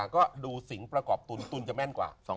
ก็ดูสิงประกอบตุลตุลจะแม่นกว่า